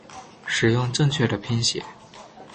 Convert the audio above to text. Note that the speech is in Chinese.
使用正确的拼写